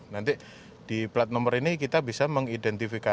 nanti di plat nomor ini kita bisa mengidentifikasi